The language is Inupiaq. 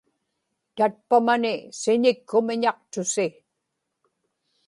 tatpamani siñikkumiñaqtusi